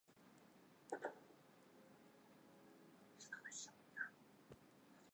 不能回复原状